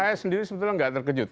saya sendiri sebetulnya nggak terkejut